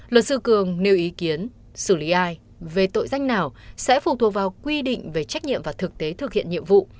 luật sư cường nêu ý kiến xử lý ai về tội danh nào sẽ phụ thuộc vào quy định về trách nhiệm và thực tế thực hiện nhiệm vụ